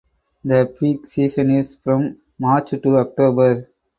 The peak season is from March to October.